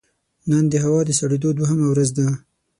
نن د هوا د سړېدو دوهمه ورځ ده